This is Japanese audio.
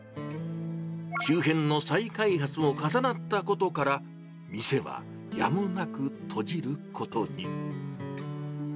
周辺の再開発も重なったことから、店はやむなく閉じることに。